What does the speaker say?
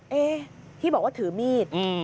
เอ๊ะที่บอกว่าถือมีด